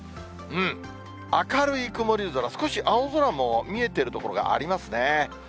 明るい曇り空、少し青空も見えている所がありますね。